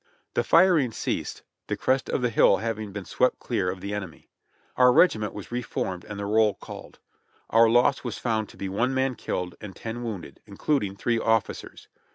The firing ceased, the crest of the hill having been swept clear of the enemy. Our regiment was reformed and the roll called. Our loss was found to be one man killed and ten wounded, includ ing three officers.